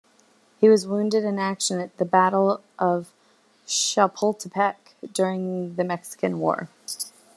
He was wounded in action at the Battle of Chapultepec during the Mexican War.